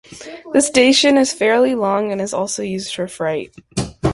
The station is fairly long and is also used for freight.